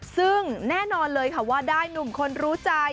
ซึ่งแน่นอนเลยค่ะว่าได้หนุ่มคนรู้ใจ